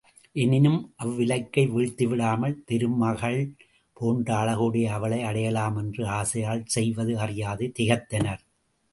எனினும் அவ்விலக்கை வீழ்த்திவிட்டால் திருமகள் போன்ற அழகுடைய அவளை அடையலாம் என்ற ஆசையால் செய்வது அறியாது திகைத்தனர்.